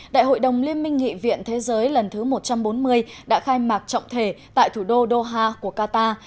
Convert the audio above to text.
đại hội đồng liên minh nghị viện thế giới lần thứ một trăm bốn mươi đã khai mạc trọng thể tại thủ đô doha của qatar